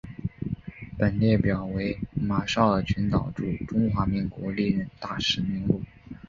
本列表为马绍尔群岛驻中华民国历任大使名录。